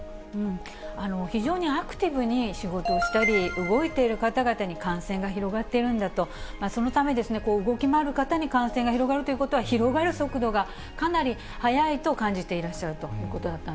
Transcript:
非常にアクティブに仕事をしたり、動いている方々に感染が広がっているんだと、そのため、動き回る方に感染が広がるということは、広がる速度がかなり速いと感じていらっしゃるということだったん